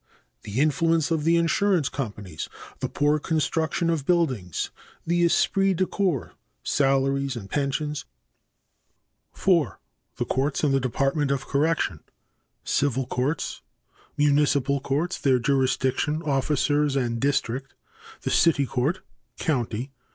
(a) The influence of the insurance companies. (b) The poor construction of buildings. (c) The esprit de corps. Salaries and pensions. 4. The Courts and the Department of Correction. 1. Civil Courts. A. Municipal Courts. Their jurisdiction, officers and district. B. The City Court (county).